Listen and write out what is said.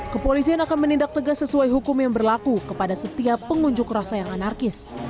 kepolisian akan menindak tegas sesuai hukum yang berlaku kepada setiap pengunjuk rasa yang anarkis